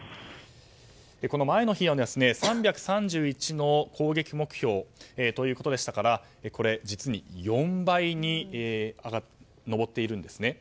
この前の日は３３１の攻撃目標ということでしたから実に４倍に上っているんですね。